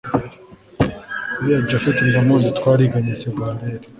uriya japhet ndamuzi twariganye segondere